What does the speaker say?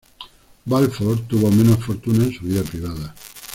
Balfour tuvo menos fortuna en su vida privada.